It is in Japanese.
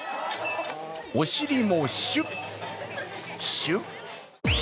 お尻もシュッ、シュッ。